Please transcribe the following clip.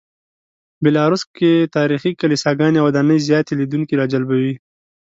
بیلاروس کې تاریخي کلیساګانې او ودانۍ زیاتې لیدونکي راجلبوي.